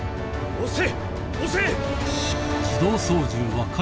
押せ！